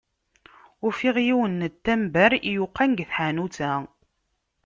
Ufiɣ yiwen n tamber yuqan deg tḥanut-a.